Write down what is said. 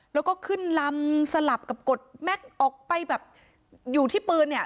แล้วก็ขึ้นลำสลับกับกดแม็กซ์ออกไปแบบอยู่ที่ปืนเนี่ย